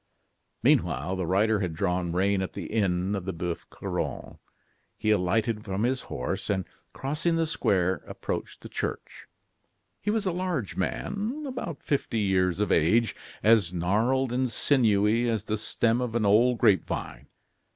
Meanwhile the rider had drawn rein at the inn of the Boeuf Couronne. He alighted from his horse, and, crossing the square, approached the church. He was a large man, about fifty years of age, as gnarled and sinewy as the stem of an old grape vine.